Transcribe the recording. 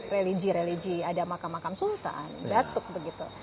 religi religi ada makam makam sultan batuk begitu